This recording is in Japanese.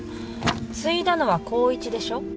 継いだのは光一でしょ。